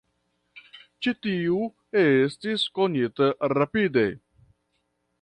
Ĉi tiu estis konita rapide.